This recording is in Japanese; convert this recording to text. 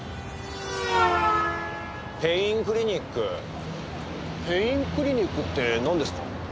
「ペインクリニック」ペインクリニックってなんですか？